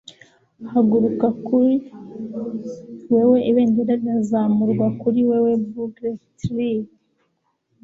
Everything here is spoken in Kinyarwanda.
Hagurukakuri wewe ibendera rirazamurwakuri wewe bugle trill